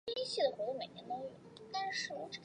现任校长是彭绮莲。